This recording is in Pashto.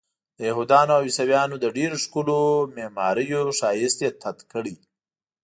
د یهودانو او عیسویانو د ډېرو ښکلیو معماریو ښایست یې تت کړی.